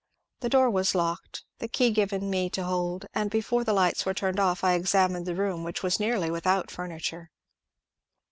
The door was locked, the key given me to hold, and before the lights were turned off I examined the room — which was nearly without furniture.